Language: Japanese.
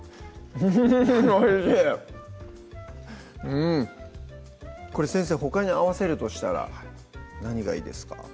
うんこれ先生ほかに合わせるとしたら何がいいですか？